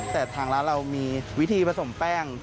แต่ทางร้านเรามีวิธีผสมแป้ง